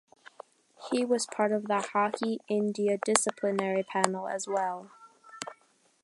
He was part of the Hockey India disciplinary panel as well.